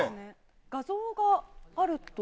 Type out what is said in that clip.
画像があると。